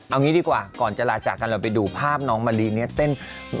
เอางี้ดีกว่าก่อนจะลาจากกันเราไปดูภาพน้องมะลิเนี่ยเต้น